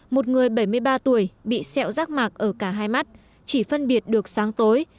một người bảy mươi ba tuổi bị xẹo rác mạc ở cả hai mắt chỉ phân biệt được sáng tối